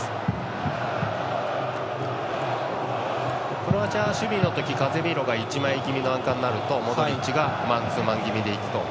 クロアチアは守備のときカゼミーロが１枚気味のアンカーになるとモドリッチがマンツーマン気味にいくと。